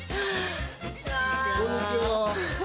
こんにちは。